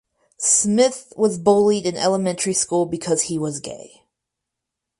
Smith was bullied in elementary school because he was gay.